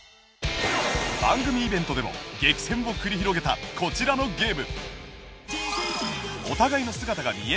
番組イベントでも激戦を繰り広げたこちらのゲーム